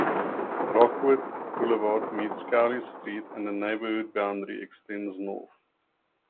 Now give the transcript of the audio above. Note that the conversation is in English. Rockwood Boulevard meets Cowley Street and the neighborhood boundary extends north.